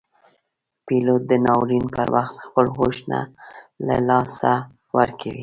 پیلوټ د ناورین پر وخت خپل هوش نه له لاسه ورکوي.